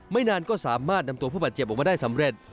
นานก็สามารถนำตัวผู้บาดเจ็บออกมาได้สำเร็จ